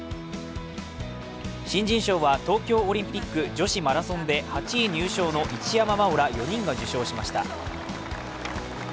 新人賞は東京オリンピック女子マラソンで８位入賞の一山麻緒ら４人が受賞しました。